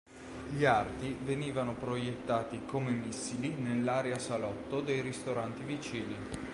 Gli arti venivano proiettati come missili nell'area salotto dei ristoranti vicini.